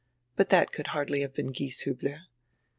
But diat could hardly have been Gieshiihler.